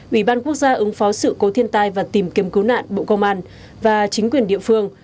ủy ban quốc gia ứng phó sự cố thiên tai và tìm kiếm cứu nạn bộ công an và chính quyền địa phương